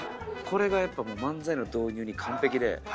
これがやっぱもう漫才の導入に完璧で。